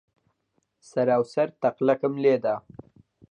سەرا و سەر تەقلەکم لێ دا.